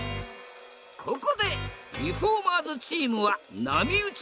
ここでリフォーマーズチームは波打ち